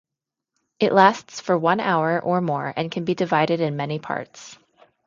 It lasts for one hour or more and can be divided in many parts.